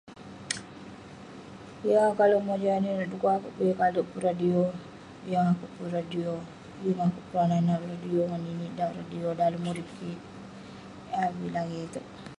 Yeng akouk kalek mojam inouk inouk, dekuk akouk peh yeng kalek pun radio. Yeng akouk pun radio, yeng akouk peronah nat radio ngan ninik dauk radio dalem urip kik. Yah avik langit itouk.